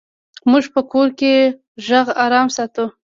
موږ په کور کې غږ آرام ساتو.